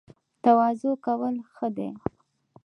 تواضع کول ښه دي